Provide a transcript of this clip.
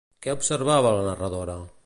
Què observava la narradora?